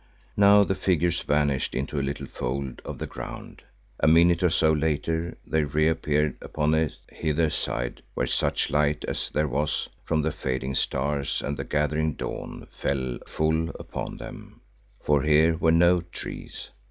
Now the figures vanished into a little fold of the ground. A minute or so later they re appeared upon its hither side where such light as there was from the fading stars and the gathering dawn fell full upon them, for here were no trees.